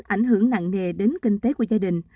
ảnh hưởng nặng nề đến kinh tế của gia đình